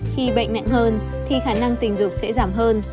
khi bệnh nặng hơn thì khả năng tình dục sẽ giảm hơn